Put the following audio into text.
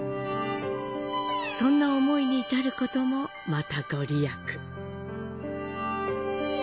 そんな思いに至ることもまたごりやく。